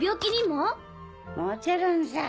もちろんさ。